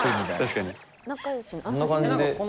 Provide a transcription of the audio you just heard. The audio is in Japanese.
確かに。